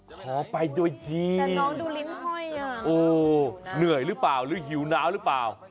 ขอไปด้วยทีแต่น้องดูลิ้นห้อยอ่ะโอ้เหนื่อยหรือเปล่าหรือหิวน้าวหรือเปล่า